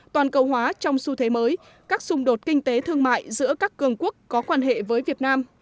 toàn cầu hóa trong xu thế mới các xung đột kinh tế thương mại giữa các cường quốc có quan hệ với việt nam